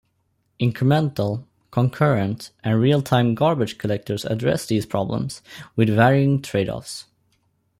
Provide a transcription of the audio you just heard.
Incremental, concurrent, and real-time garbage collectors address these problems, with varying trade-offs.